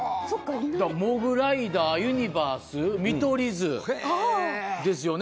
モグライダー、ゆにばーす、見取り図ですよね。